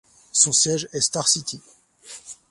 Son siège est Star City.